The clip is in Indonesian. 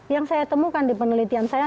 yang saya temukan di penelitian saya